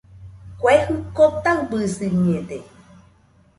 Kue jɨko taɨbɨsiñede